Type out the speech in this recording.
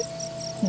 tidak ada jawaban